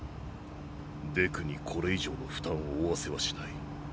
デクにこれ以上の負担を負わせはしない。